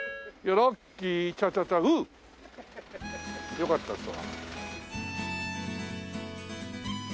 ウーッ！よかったですわ。